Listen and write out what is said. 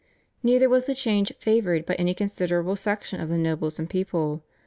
Neither was the change favoured by any considerable section of the nobles and people.